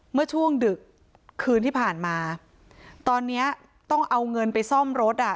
เมื่อช่วงดึกคืนที่ผ่านมาตอนเนี้ยต้องเอาเงินไปซ่อมรถอ่ะ